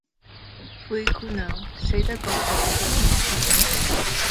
灰姑娘識得果個又系王子